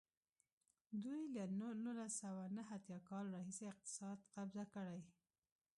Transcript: دوی له نولس سوه نهه اتیا کال راهیسې اقتصاد قبضه کړی.